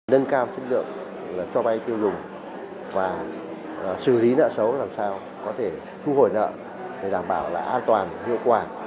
nâng cao chất lượng cho vay tiêu dùng và xử lý nợ xấu làm sao có thể thu hồi nợ để đảm bảo là an toàn hiệu quả